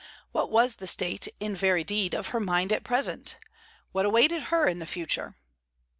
What was the state, in very deed, of her mind at present? What awaited her in the future?